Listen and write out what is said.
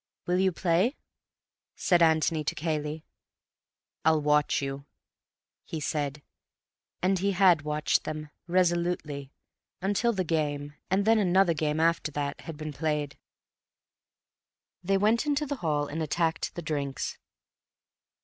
"Will you play?" said Antony to Cayley. "I'll watch you," he said, and he had watched them resolutely until the game, and then another game after that, had been played. They went into the hall and attacked the drinks.